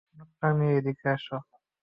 লোকটাকে নিয়ে এসো।